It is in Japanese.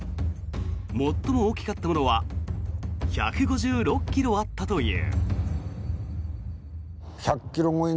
最も大きかったものは１５６ｋｇあったという。